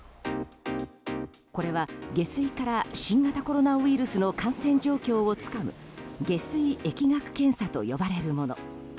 これは下水から新型コロナウイルスの感染状況をつかむ下水疫学検査と呼ばれるもの。